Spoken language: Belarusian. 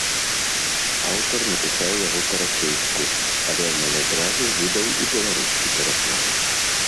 Аўтара напісаў яго па-расейску, але амаль адразу выдаў і беларускі пераклад.